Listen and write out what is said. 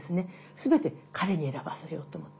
全て彼に選ばせようと思う。